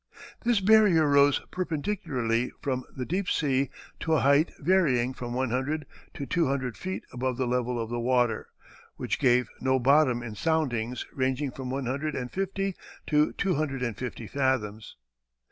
This barrier rose perpendicularly from the deep sea to a height varying from one hundred to two hundred feet above the level of the water, which gave no bottom in soundings ranging from one hundred and fifty to two hundred and fifty fathoms.